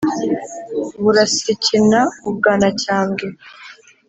burasikina u bwanacyambwe